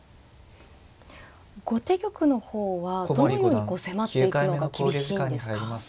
後手玉の方はどのように迫っていくのが厳しいんですか？